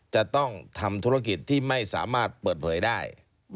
จะต้องทำธุรกิจที่ไม่สามารถเปิดเผยได้